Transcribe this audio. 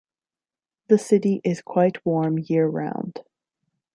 The city is quite warm year-round.